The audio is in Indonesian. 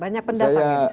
banyak pendatangnya disana